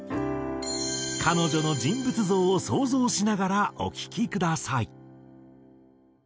彼女の人物像を想像しながらお聴きください。